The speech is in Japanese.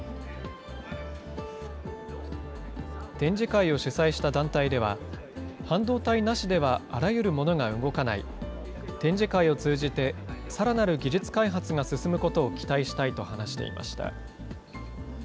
展示会を主催した団体では、半導体なしではあらゆるものが動かない、展示会を通じて、さらなる技術開発が進むことを期待したいと話していました。